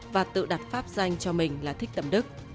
và tự đặt pháp danh cho mình là thích tâm đức